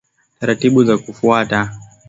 Taratibbu za kufuata